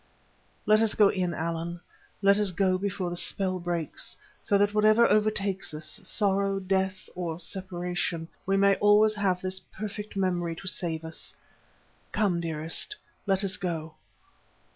"Let us go in, Allan. Let us go before the spell breaks, so that whatever overtakes us, sorrow, death, or separation, we may always have this perfect memory to save us. Come, dearest, let us go!"